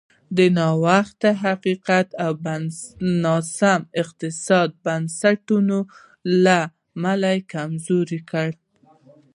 د نا خوندي حقونو او ناسمو اقتصادي بنسټونو له امله کمزوری کړل.